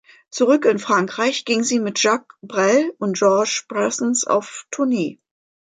Zurück in Frankreich, ging sie mit Jacques Brel und Georges Brassens auf Tournee.